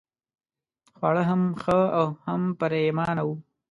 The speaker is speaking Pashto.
خواړه هم ښه او هم پرېمانه وو.